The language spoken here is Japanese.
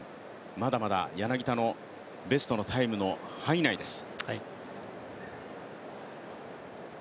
まだまだ柳田のベストのタイムの範囲内です。